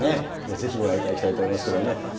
ぜひ、ご覧いただきたいと思いますけどね。